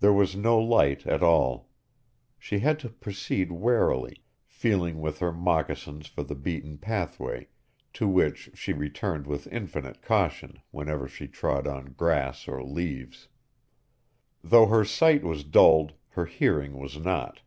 Here was no light at all. She had to proceed warily, feeling with her moccasins for the beaten pathway, to which she returned with infinite caution whenever she trod on grass or leaves. Though her sight was dulled, her hearing was not.